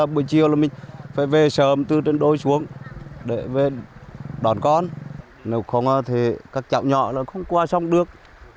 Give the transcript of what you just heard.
bữa chiều mình phải về sớm từ trên đôi xuống để đón con nếu không thì các cháu nhỏ không qua sông được